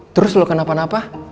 terus lo kenapa napa